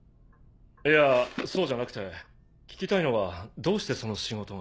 いやそうじゃなくて聞きたいのはどうしてその仕事が。